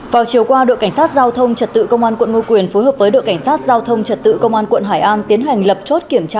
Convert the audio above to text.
vào chiều qua đội cảnh sát giao thông trật tự công an quận ngo quyền phối hợp với đội cảnh sát giao thông trật tự công an quận hải an tiến hành lập chốt kiểm tra